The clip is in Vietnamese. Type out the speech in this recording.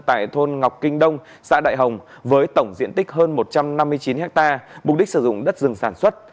tại thôn ngọc kinh đông xã đại hồng với tổng diện tích hơn một trăm năm mươi chín ha mục đích sử dụng đất rừng sản xuất